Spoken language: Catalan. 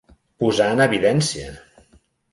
Posar en evidència.